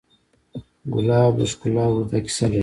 ګلاب د ښکلا اوږده کیسه لري.